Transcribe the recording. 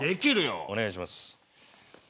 お願いします。